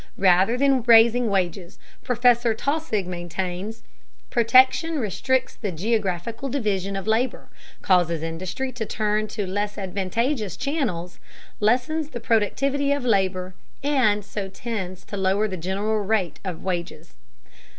Rather than raising wages, Professor Taussig maintains, "protection restricts the geographical division of labor, causes industry to turn to less advantageous channels, lessens the productivity of labor, and so tends to lower the general rate of wages."